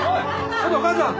ちょっとお母さん！